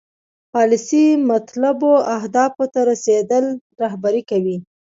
پالیسي مطلوبو اهدافو ته رسیدل رهبري کوي.